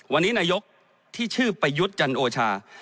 วันนี้นายกที่ชื่อประยุทธ์จันโอชา